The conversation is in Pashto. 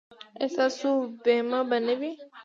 ایا ستاسو بیمه به نه وي؟